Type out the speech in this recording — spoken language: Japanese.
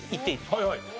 はいはい。